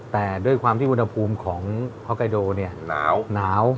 แต่ด้วยความที่อุณหภูมิของฮอกไกโดเนี่ยหนาว